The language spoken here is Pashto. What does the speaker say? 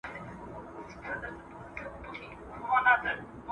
د الله تعالی چي اراده وسي، هغه کيږي.